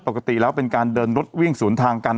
ปกติแล้วเป็นการเดินรถวิ่งสวนทางกัน